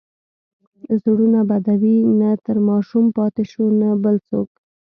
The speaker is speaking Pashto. زړونه بدوي، نه ترې ماشوم پاتې شو، نه بل څوک.